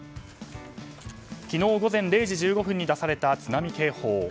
昨日午前０時１５分に出された津波警報。